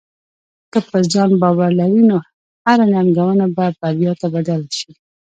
که په ځان باور لرې، نو هره ننګونه به بریا ته بدل شې.